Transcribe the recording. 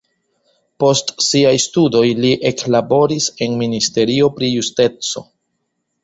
Post siaj studoj li eklaboris en ministerio pri justico.